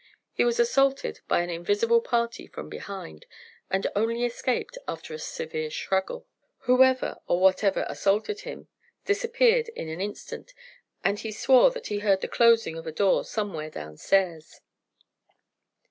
He was assaulted by an invisible party from behind, and only escaped after a severe struggle. Whoever, or whatever, assaulted him disappeared in an instant, and he swore that he heard the closing of a door somewhere downstairs.